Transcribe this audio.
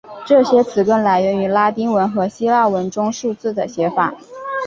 这些词根来源于拉丁文和希腊文中数字的写法。